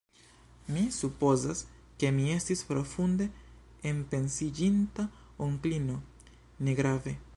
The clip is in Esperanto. Mi supozas, ke mi estis profunde enpensiĝinta, onklino; negrave.